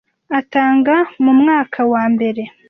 atanga mu mwaka wa mbere